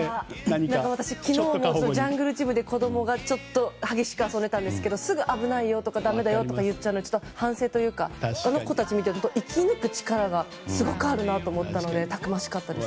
昨日もジャングルジムで子供がちょっと激しく遊んでたんですがすぐ危ないよとかだめだよとか言っちゃうので反省というかあの子たちを見ていると生き抜く力がすごいあると思ったのでたくましかったです。